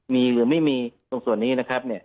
มีหรือไม่มีตรงส่วนนี้นะครับ